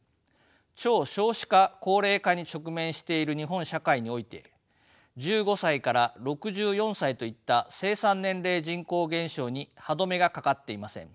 超少子化・高齢化に直面している日本社会において１５歳６４歳といった生産年齢人口減少に歯止めがかかっていません。